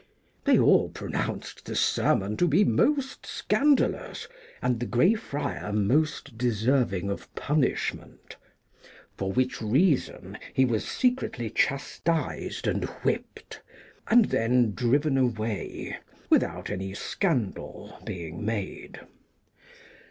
They all pronounced the sermon to be most scandalous, and the Grey Friar most deserving of punishment ; for which reason he was secretly chastised and whipped, and then driven away, without any scandal being made.